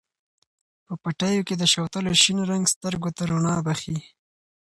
په پټیو کې د شوتلو شین رنګ سترګو ته رڼا بښي.